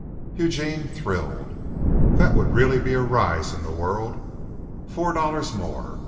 Eugene thrilled. That would be really a rise in the world. Four dollars more!